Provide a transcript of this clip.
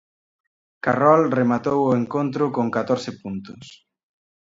Carrol rematou o encontro con catorce puntos.